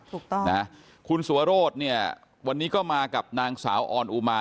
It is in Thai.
ถูกต้องนะคุณสัวโรธเนี่ยวันนี้ก็มากับนางสาวออนอุมา